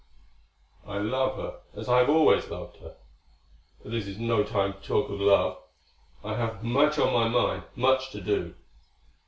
"I love her as I have always loved her.... But this is no time to talk of love. I have much on my mind; much to do."